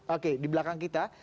oke di belakang kita